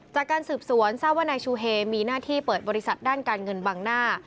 จากการสืบสวนทราบว่านายชูเฮมีหน้าที่เปิดบริษัทด้านการเงินบังหน้า